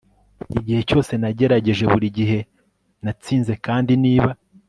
igihe cyose nagerageje, burigihe natsinze kandi niba